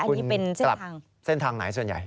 คุณกลับเส้นทางไหนส่วนใหญ่